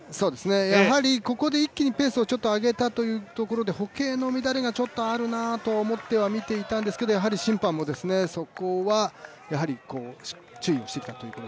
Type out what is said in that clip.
やはりここで一気にペースを上げたというところで歩型の乱れがちょっとあるなと思っては見ていたんですがやはり審判もそこは注意をしてきたということ。